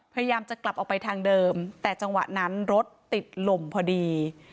พยายามจะกลับออกไปทางเดิมแต่จังหวะนั้นรถติดลมพอดี